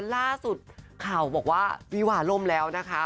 ล่าสุดข่าวบอกว่าวิวาล่มแล้วนะคะ